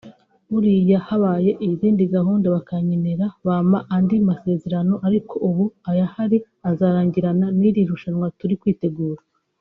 Buriya habaye izindi gahunda bakankenera bampa andi masezerano ariko ubu ayahari azarangirana n’iri rushanwa turi kwitegura”